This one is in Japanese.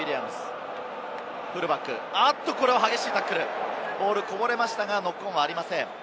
これは激しいタックル、ボールがこぼれましたがノックオンはありません。